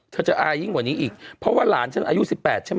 เธอจะอายยิ่งกว่านี้อีกเพราะว่าหลานฉันอายุ๑๘ใช่ไหม